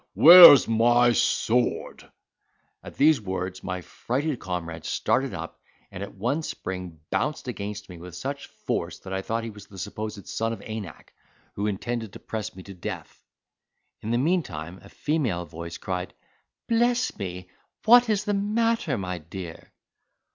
where's my sword?" At these words my frighted comrade started up, and, at one spring, bounced against me with such force that I thought he was the supposed son of Anak, who intended to press me to death. In the meantime a female voice cried, "Bless me! what is the matter, my dear?"